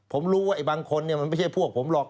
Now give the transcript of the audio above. ผมรู้ว่าบางคนมันไม่ใช่พวกผมหรอก